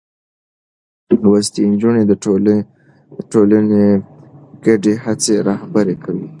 لوستې نجونې د ټولنې ګډې هڅې رهبري کوي.